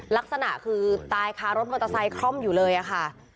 ลักษณะคือตายคารถมอเตอร์ไซคล่อมอยู่เลยค่ะ